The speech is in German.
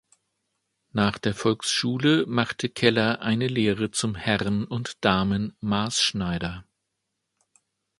Nach der Volksschule machte Keller eine Lehre zum Herren- und Damen-Maßschneider.